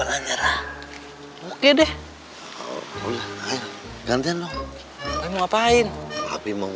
nggak ada fiss